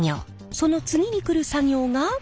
その次に来る作業が。